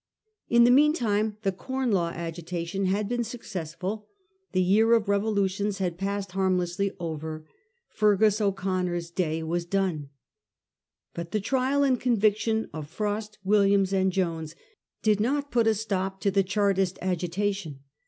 In the meantime the Corn Law agitation had been successful ; the year of revolutions had passed harmlessly over; Feargus O'Connor's day was done. ■But the trial and conviction of Frost, Williams, and Jones did not put a stop to the Chartist agita tion.